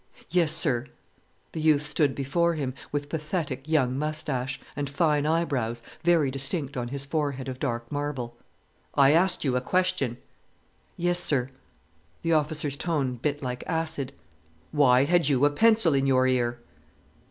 "Yes, sir!" The youth stood before him, with pathetic young moustache, and fine eyebrows very distinct on his forehead of dark marble. "I asked you a question." "Yes, sir." The officer's tone bit like acid. "Why had you a pencil in your ear?"